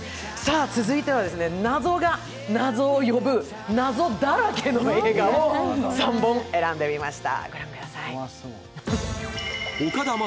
続いてはなぞがなぞを呼ぶ、なぞだらけの映画を３本選んでみました。